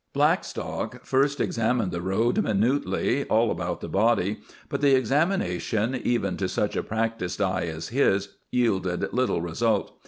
Blackstock first examined the road minutely, all about the body, but the examination, even to such a practised eye as his, yielded little result.